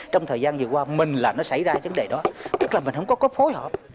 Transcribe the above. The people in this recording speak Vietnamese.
trong thời gian vừa qua mình là nó xảy ra vấn đề đó tức là mình không có cái phối hợp